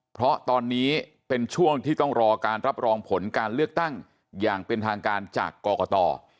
เพราะตอนนี้เป็นช่วงที่ต้องรอการรับรองผลการเลือกตั้งอย่างเป็นทางการจากกรกต